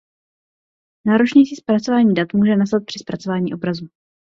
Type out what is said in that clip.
Náročnější zpracování dat může nastat při zpracování obrazu.